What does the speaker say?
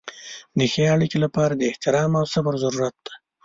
د ښې اړیکې لپاره د احترام او صبر ضرورت دی.